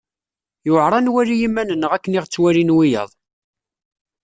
Yuεer ad nwali iman-nneɣ akken i ɣ-ttwalin wiyaḍ.